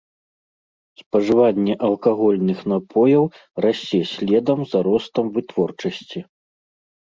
Спажыванне алкагольных напояў расце следам за ростам вытворчасці.